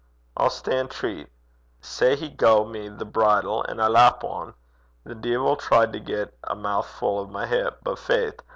I'll stan' treat." Sae he gae me the bridle, an' I lap on. The deevil tried to get a moufu' o' my hip, but, faith!